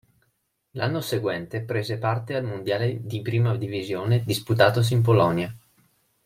L'anno seguente prese parte al mondiale di Prima Divisione disputatosi in Polonia.